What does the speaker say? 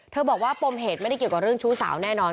บอกว่าปมเหตุไม่ได้เกี่ยวกับเรื่องชู้สาวแน่นอน